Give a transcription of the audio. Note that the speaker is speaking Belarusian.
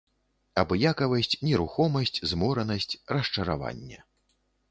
Абыякавасць, нерухомасць, зморанасць, расчараванне.